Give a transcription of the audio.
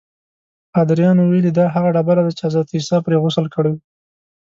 پادریانو ویلي دا هغه ډبره ده چې حضرت عیسی پرې غسل کړی و.